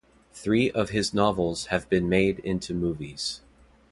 Three of his novels have been made into movies.